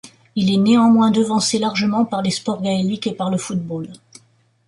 Il est néanmoins devancé largement par les sports gaéliques et par le football.